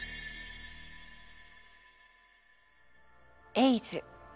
エイズ。